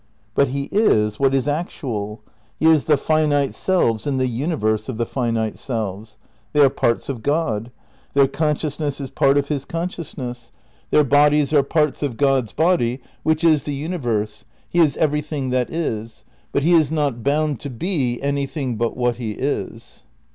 But he is what is actual. Tie is the finite selves and the universe of the finite selves. They are parts of God,^ their consciousness is part of his consciousness, their bodies are parts of God's body which is the uni ^ See Appendix VI, p. 319. 306 THE NEW IDEALISM xi verse. He is everything that is. But he is not bound to be anything but what he is.